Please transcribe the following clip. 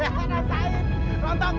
ampun dong ampun bang